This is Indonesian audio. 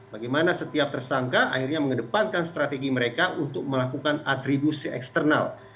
bagaimana setiap tersangka akhirnya mengedepankan strategi mereka untuk melakukan atribusi eksternal